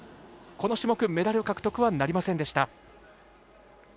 この種目、メダル獲得はなりませんでした。